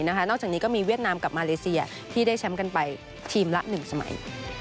นอกจากนี้ก็มีเวียดนามกับมาเลเซียที่ได้แชมป์กันไปทีมละ๑สมัย